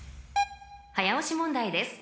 ［早押し問題です